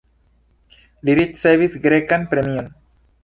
Li ricevis grekan premion.